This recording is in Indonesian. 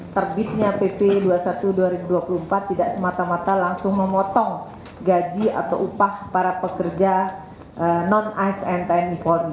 terbitnya pp dua puluh satu dua ribu dua puluh empat tidak semata mata langsung memotong gaji atau upah para pekerja non asn tni polri